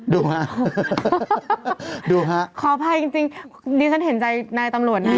ดูฮะดูฮะขออภัยจริงจริงดิฉันเห็นใจนายตำรวจนะ